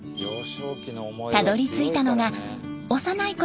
たどりついたのが幼いころ